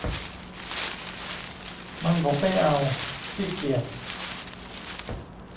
มันบอกไม่เอา ขี้เกียจ